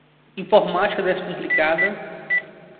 Informática descomplicada